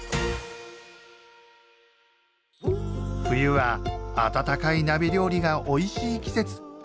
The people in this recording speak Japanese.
冬は温かい鍋料理がおいしい季節。